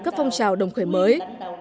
các phong sao đồng khởi mới